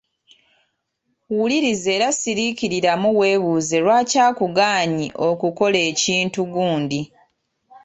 Wuliriza era siriikiriramu weebuuze lwaki akugaanyi okukola ekintu gundi.